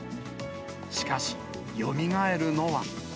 しかし、よみがえるのは。